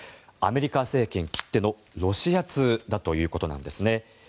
アメリカ政権きってのロシア通だということなんです。